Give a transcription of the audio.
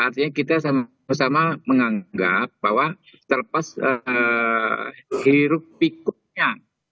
artinya kita sama sama menganggap bahwa terlepas hirup pikuknya